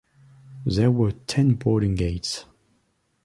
There were ten boarding gates.